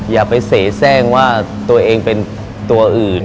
อย่าไปเสแทร่งว่าตัวเองเป็นตัวอื่น